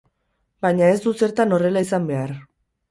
Baina ez du zertan horrela izan behar.